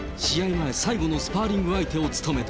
前最後のスパーリング相手を務めた。